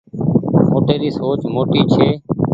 موٽي ري سوچ موٽي ڇي